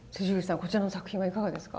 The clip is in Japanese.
こちらの作品はいかがですか？